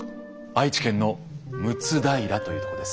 愛知県の睦平というとこです。